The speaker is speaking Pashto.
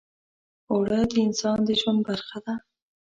اوړه د انسان د ژوند برخه ده